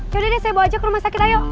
yaudah deh saya bawa aja ke rumah sakit ayo